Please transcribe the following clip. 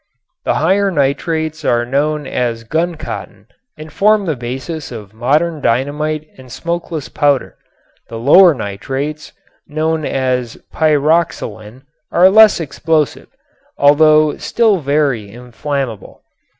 The higher nitrates are known as guncotton and form the basis of modern dynamite and smokeless powder. The lower nitrates, known as pyroxylin, are less explosive, although still very inflammable.